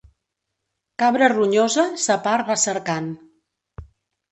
Cabra ronyosa sa par va cercant.